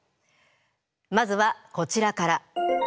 まずはこちらから。